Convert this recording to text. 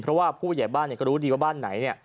เพราะว่าผู้ใหญ่บ้านก็รู้ดีว่าบ้านไหนเนี่ย